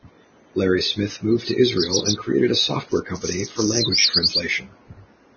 Larry Smith moved to Israel and created a software company for language translation.